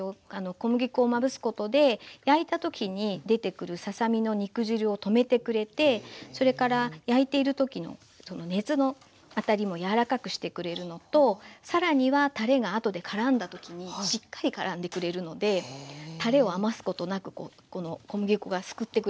小麦粉をまぶすことで焼いた時に出てくるささ身の肉汁を止めてくれてそれから焼いている時の熱の当たりもやわらかくしてくれるのと更にはたれが後でからんだ時にしっかりからんでくれるのでたれを余すことなくこの小麦粉が救ってくれます。